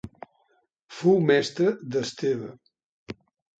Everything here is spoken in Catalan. Fou mestre d'Esteve.